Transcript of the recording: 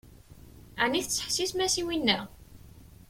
Ɛni tettḥessisem-as i winna?